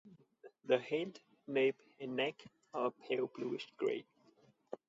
The head, nape and neck are a pale bluish grey.